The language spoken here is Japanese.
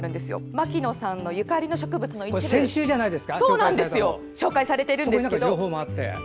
牧野さんゆかりの植物の一部が紹介されているんですけど。